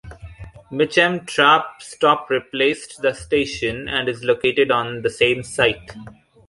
Mitcham tram stop replaced the station, and is located on the same site.